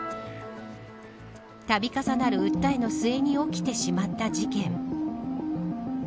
度重なる訴えの末に起きてしまった事件。